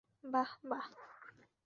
বাহ, বাহ!